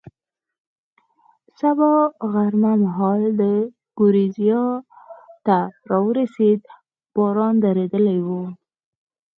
سبا غرمه مهال ګورېزیا ته را ورسېدو، باران درېدلی و.